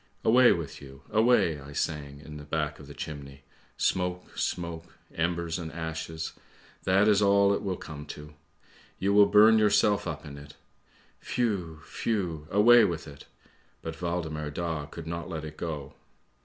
" Away with you, away! I sang in the back of the chimney. Smoke, smoke, embers and ashes, that is all it will come to! You will burn yourself up in it. Whew! whew! away with it! But Waldemar Daa could not let it go.